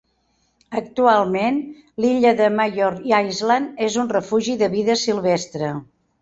Actualment, l'illa de Mayor Island és un refugi de vida silvestre.